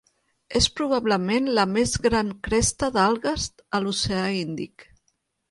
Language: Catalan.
És probablement la més gran cresta d'algues a l'Oceà Índic.